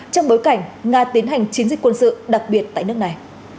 trong bối cảnh nga tiến hành chiến dịch quân sự đặc biệt tại nước này